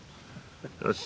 よし。